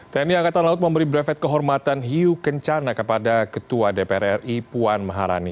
tni angkatan laut memberi brevet kehormatan hiu kencana kepada ketua dpr ri puan maharani